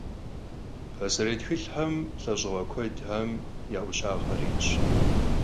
Paserêy txılhxem lh'eş'ığue kuedxem ya 'uşağxer yitş.